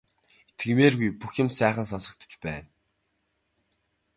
Итгэмээргүй бүх юм сайхан сонсогдож байна.